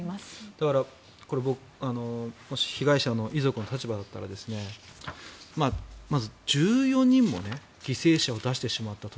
だから、僕が被害者の遺族の立場だったらまず１４人も犠牲者を出してしまったと。